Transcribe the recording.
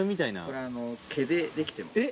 これ毛でできてます。